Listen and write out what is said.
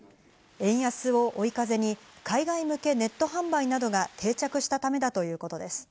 円安を追い風に海外向けネット販売などが定着したためだということです。